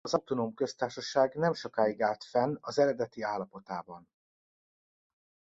Az autonóm köztársaság nem sokáig állt fenn az eredeti állapotában.